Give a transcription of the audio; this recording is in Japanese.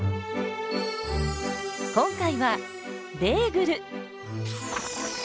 今回はベーグル！